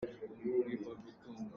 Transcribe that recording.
A bia a mak zia ka chim thiam lo.